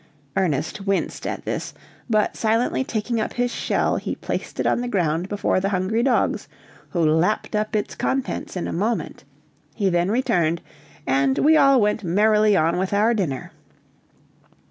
Ernest winced at this, but silently taking up his shell he placed it on the ground before the hungry dogs, who lapped up its contents in a moment; he then returned, and we all went merrily on with our dinner.